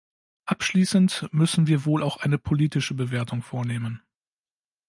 Abschießend müssen wir wohl auch eine politische Bewertung vornehmen.